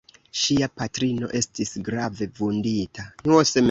Ŝia patrino estis grave vundita.